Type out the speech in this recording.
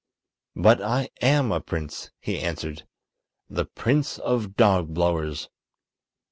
"But I am a prince," he answered; "the Prince of Dogblowers."